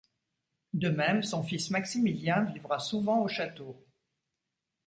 De même, son fils Maximilien vivra souvent au château.